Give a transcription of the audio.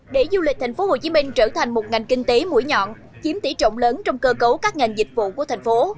để du lịch tp hcm trở thành một ngành kinh tế mũi nhọn chiếm tỷ trọng lớn trong cơ cấu các ngành dịch vụ của thành phố